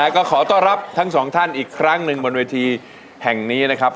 ก็ขอต้อนรับทั้งสองท่านอีกครั้งหนึ่งบนเวทีแห่งนี้นะครับ